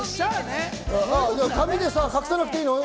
髪で隠さなくていいの？